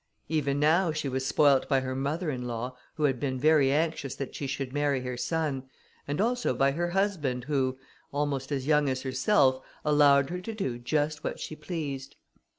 Even now she was spoiled by her mother in law, who had been very anxious that she should marry her son, and also by her husband, who, almost as young as herself, allowed her to do just what she pleased.